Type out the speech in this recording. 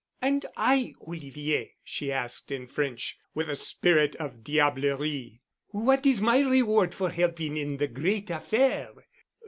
"And I, Olivier?" she asked in French with a spirit of diablerie. "What is my reward for helping in the great affair?"